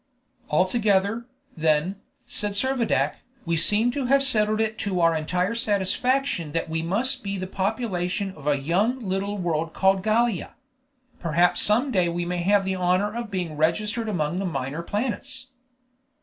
"Altogether, then," said Servadac, "we seem to have settled it to our entire satisfaction that we must be the population of a young little world called Gallia. Perhaps some day we may have the honor of being registered among the minor planets."